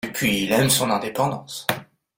Et puis il aime son indépendance